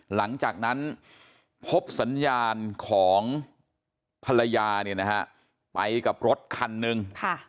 หลังจากนั้นพบสัญญาณของภรรยาเนี่ยนะฮะไปกับรถคันหนึ่ง